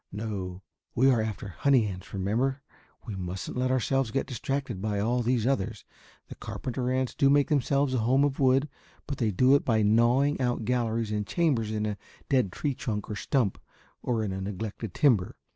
"No, we are after honey ants, remember. We mustn't let ourselves get distracted by all these others. The carpenter ants do make themselves a home of wood, but they do it by gnawing out galleries and chambers in a dead tree trunk or stump or in a neglected timber.